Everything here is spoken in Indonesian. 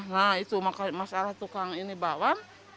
nah itu masalah tukang ini bakwan